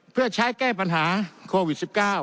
เพื่อใช้แก้ปัญหาโควิด๑๙